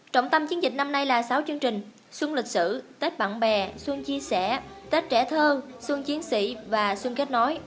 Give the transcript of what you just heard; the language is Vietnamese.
trọng tâm chiến dịch năm nay là sáu chương trình xuân lịch sử tết bạn bè xuân chia sẻ tết trẻ thơ xuân chiến sĩ và xuân kết nối